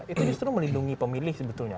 itu justru melindungi pemilih sebetulnya